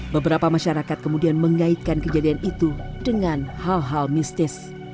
beberapa masyarakat kemudian mengaitkan kejadian itu dengan hal hal mistis